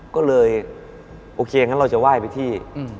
ก็เลยโอเคงั้นเราจะไหว้ไปที่